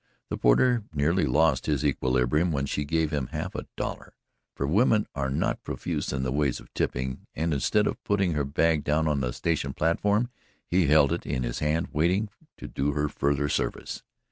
The porter nearly lost his equilibrium when she gave him half a dollar for women are not profuse in the way of tipping and instead of putting her bag down on the station platform, he held it in his hand waiting to do her further service.